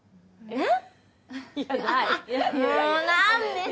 えっ？